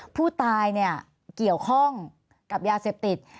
ผู้ตายเกี่ยวข้องกับยาเสพติด